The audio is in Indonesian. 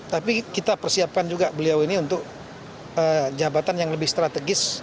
tapi kita persiapkan juga beliau ini untuk jabatan yang lebih strategis